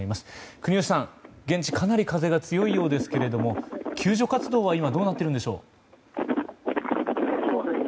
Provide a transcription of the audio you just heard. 国吉さん、現地かなり風が強いようですけども救助活動は今どうなっているんでしょう。